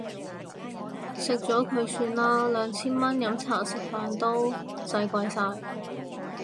食咗佢算啦，兩千蚊飲茶食飯都使鬼晒